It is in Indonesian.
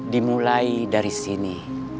dimulai dari sini